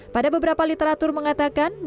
pada beberapa literatur mengatakan